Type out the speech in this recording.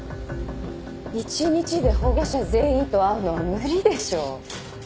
１日で保護者全員と会うのは無理でしょう。